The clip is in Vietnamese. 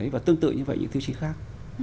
và tương tự như vậy những tiêu chí khác